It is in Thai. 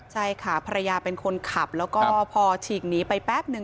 ใช่ค่ะภรรยาเป็นคนขับแล้วก็พอฉีกหนีไปแป๊บนึง